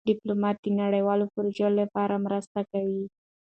ډيپلومات د نړیوالو پروژو لپاره مرسته کوي.